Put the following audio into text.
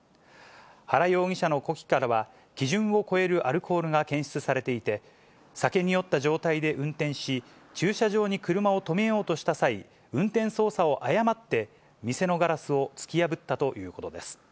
原容疑者の呼気からは、基準を超えるアルコールが検出されていて、酒に酔った状態で運転し、駐車場に車を止めようとした際、運転操作を誤って、店のガラスを突き破ったということです。